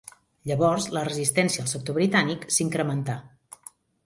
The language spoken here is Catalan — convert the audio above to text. Llavors, la resistència al sector britànic s'incrementà.